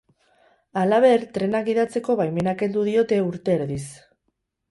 Halaber, trenak gidatzeko baimena kendu diote, urte erdiz.